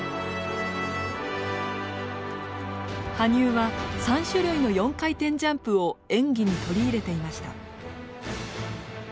羽生は３種類の４回転ジャンプを演技に取り入れていました。